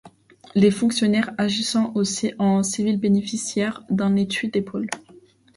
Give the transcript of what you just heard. Les fonctionnaires agissant en civil bénéficèrent d'un étui d'épaule.